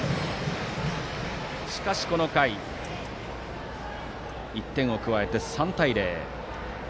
しかしこの回１点を加えて３対０。